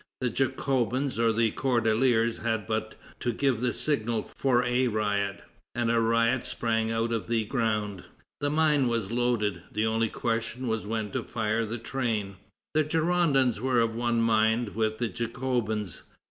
The Jacobins or the Cordeliers had but to give the signal for a riot, and a riot sprang out of the ground. The mine was loaded; the only question was when to fire the train. The Girondins were of one mind with the Jacobins.